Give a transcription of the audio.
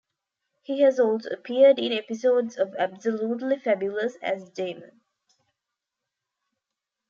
He has also appeared in episodes of "Absolutely Fabulous" as "Damon".